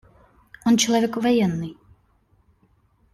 Он человек военный.